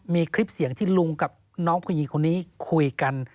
มีคลิปเสียงที่ลุงกับน้องผู้หญิงคนนี้คุยกัน